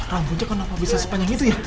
rambutnya kenapa bisa sepanjang itu ya